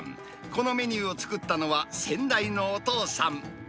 このメニューを作ったのは、先代のお父さん。